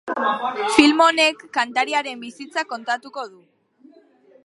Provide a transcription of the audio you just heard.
Film honek kantariaren bizitza kontatuko du.